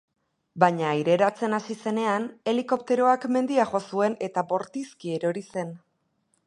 Baina aireratzen hasi zenean, helikopteroak mendia jo zuen eta bortizki erori zen.